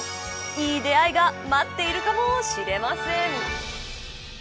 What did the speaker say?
いい出会いが待っているかもしれません。